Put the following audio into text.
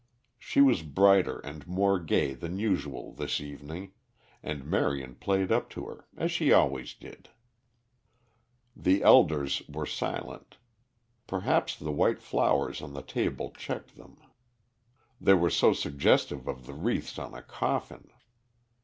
She was brighter and more gay than usual this evening and Marion played up to her, as she always did. The elders were silent. Perhaps the white flowers on the table checked them. They were so suggestive of the wreaths on a coffin.